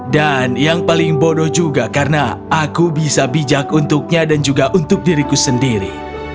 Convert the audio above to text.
dan yang paling bodoh juga karena aku bisa bijak untuknya dan juga untuk diriku sendiri